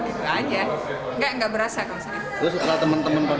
itu aja nggak nggak berasa kalau saya